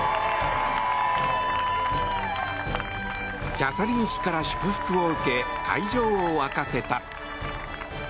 キャサリン妃から祝福を受け会場を沸かせた。